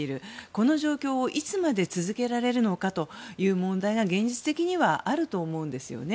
この状況をいつまで続けられるのかという問題が現実的にはあると思うんですよね。